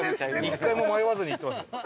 一回も迷わずに行ってますね。